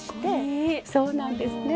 そうなんですね。